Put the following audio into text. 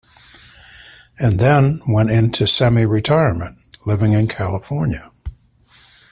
and then went into semi-retirement, living in California.